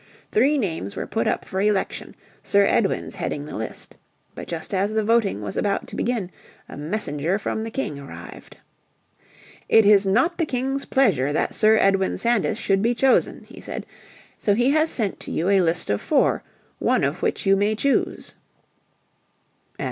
Three names were put up for election, Sir Edwin's heading the list. But just as the voting was about to begin a messenger from the King arrived. "It is not the King's pleasure that Sir Edward Sandys should be chosen," he said, "so he has sent to you a list of four, one of which you may choose."